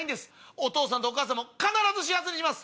お義父さんとお義母さんも必ず幸せにします！